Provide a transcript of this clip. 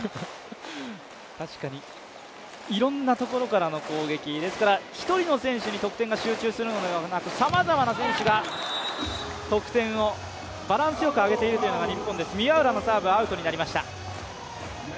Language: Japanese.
確かに、いろんなところからの攻撃ですから１人の選手に得点が集中するのではなくさまざまな選手が得点をバランスよくあげているというのが日本です。